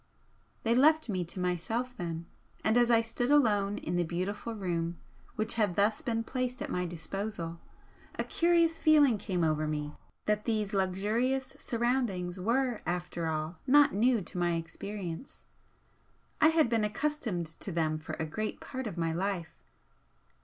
They left me to myself then, and as I stood alone in the beautiful room which had thus been placed at my disposal, a curious feeling came over me that these luxurious surroundings were, after all, not new to my experience. I had been accustomed to them for a great part of my life.